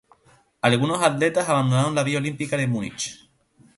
Algunos atletas abandonaron la villa olímpica de Múnich.